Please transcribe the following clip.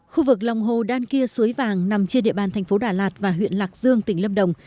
khu vực lòng hồ đan kia suối vàng nằm trên địa bàn thành phố đà lạt và huyện lạc dương tỉnh lâm đồng